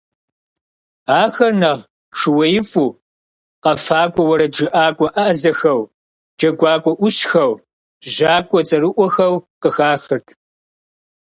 Ахэр нэхъ шууеифӀу, къэфакӀуэ, уэрэджыӀакӀуэ Ӏэзэхэу, джэгуакӀуэ Ӏущхэу, жьакӀуэ цӀэрыӀуэхэу къыхахырт.